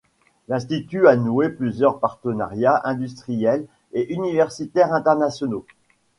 L’institut a noué plusieurs partenariats industriels et universitaires internationaux.